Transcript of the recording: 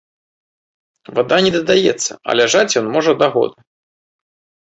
Вада не дадаецца, а ляжаць ён можа да года.